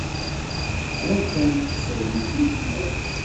Hattan, tayi d tikti.